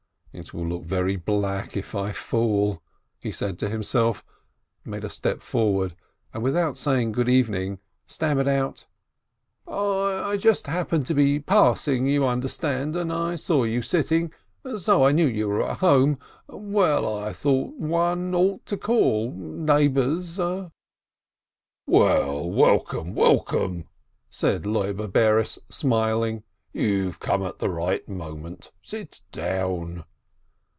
"It will look very bad if I fall," he said to himself, made a step forward, and, without saying good evening, stammered out: 394 RAISIN "I just happened to be passing, you understand, and I saw you sitting — so I knew you were at home — well, I thought one ought to call — neighbors —" "Well, welcome, welcome !" said Loibe Bares, smiling. "You've come at the right moment. Sit down."